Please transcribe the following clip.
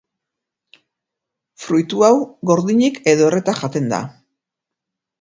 Fruitu hau gordinik edo erreta jaten da.